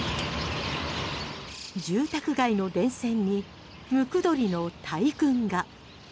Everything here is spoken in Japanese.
住宅街の電線にムクドリの大群が。